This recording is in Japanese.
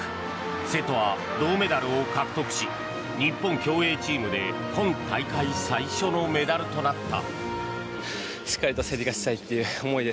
瀬戸は銅メダルを獲得し日本競泳チームで今大会最初のメダルとなった。